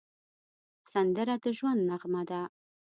سندره د ژوند نغمه ده